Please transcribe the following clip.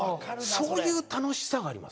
そういう楽しさがあります。